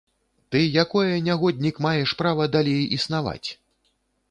Ты якое, нягоднік, маеш права далей існаваць?